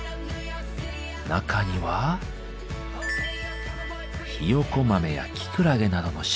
中にはひよこ豆やキクラゲなどの食材が。